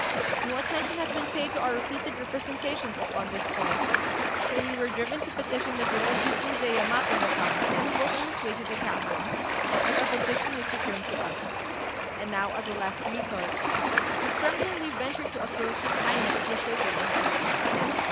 No attention has been paid to our repeated representations upon this point; so we were driven to petition the Gorôjiu Kuzé Yamato no Kami as he was on his way to the castle, but our petition was returned to us. And now, as a last resource, we tremblingly venture to approach his Highness the Shogun in person.